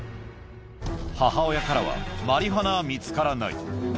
母親からはマリファナは見つからない。